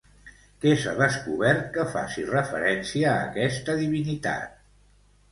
Què s'ha descobert que faci referència a aquesta divinitat?